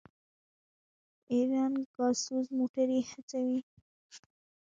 ایران ګازسوز موټرې هڅوي.